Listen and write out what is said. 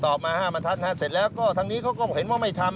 มา๕บรรทัศน์เสร็จแล้วก็ทางนี้เขาก็เห็นว่าไม่ทำ